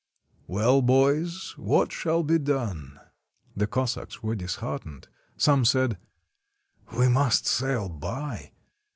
"Well, boys, what shall be done?" The Cossacks were disheartened. Some said: — "We must sail by."